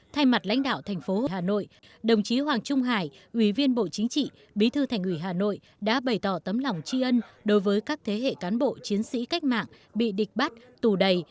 thay mặt lãnh đạo thành phố hà nội đồng chí hoàng trung hải ủy viên bộ chính trị bí thư thành ủy hà nội đã bày tỏ tấm lòng tri ân đối với các thế hệ cán bộ chiến sĩ cách mạng bị địch bắt tù đầy